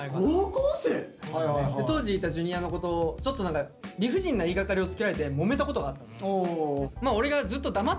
当時いたＪｒ．の子とちょっと何か理不尽な言いがかりをつけられてもめたことがあったの。